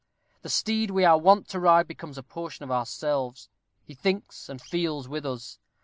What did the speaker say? The steed we are wont to ride becomes a portion of ourselves. He thinks and feels with us.